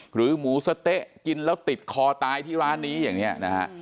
หรือหมูสะเต๊ะกินแล้วติดคอตายที่ร้านนี้อย่างนี้นะฮะ